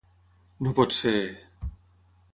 No pot ser!